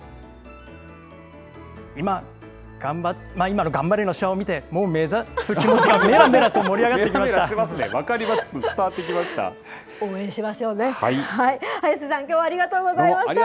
今の頑張れの手話を見て、もう目指す気持ちがめらめらと盛り上がってきました。